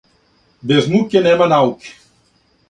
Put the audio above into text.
Без муке нема науке.